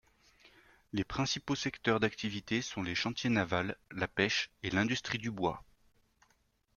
Les principaux secteurs d'activité sont les chantiers navals, la pêche, et l'industrie du bois.